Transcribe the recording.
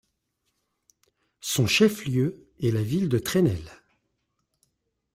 Son chef-lieu est la ville de Trenel.